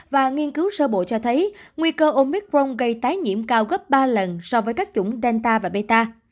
và nghiên cứu sơ bộ cho thấy nguy cơ ômicron gây tái nhiễm cao gấp ba lần so với các chủng delta và meta